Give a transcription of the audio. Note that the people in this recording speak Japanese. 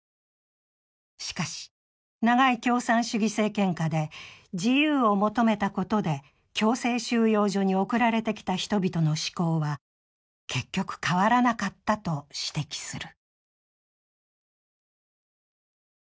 しかし、長い共産主義政権下で自由を求めたことで強制収容所に送られてきた人々の思考は結局、変わらなかったと指摘する。